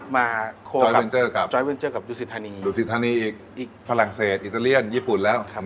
มาครับครับครับอีกฝรั่งเศสอิตาเลียนญี่ปุ่นแล้วครับ